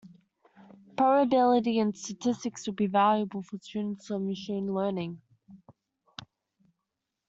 Probability and statistics will be valuable for students of machine learning.